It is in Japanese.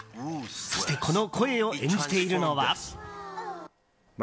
そして、この声を演じているのは。